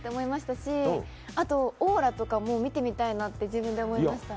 もしあと、オーラとかも見てみたいなって自分で思いました。